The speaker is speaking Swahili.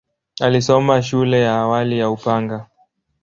Alisoma shule ya awali ya Upanga.